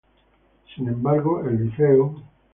Sin embargo el Lic.